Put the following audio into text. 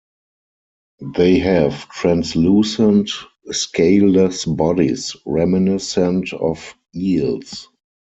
They have translucent, scaleless bodies reminiscent of eels.